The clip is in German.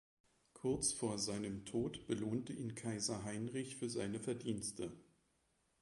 Kurz vor seinem Tod belohnte ihn Kaiser Heinrich für seine Verdienste.